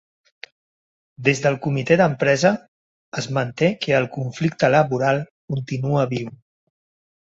Des del comitè d’empresa es manté que el conflicte laboral continua viu.